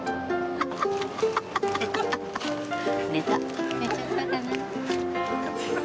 寝ちゃったかな。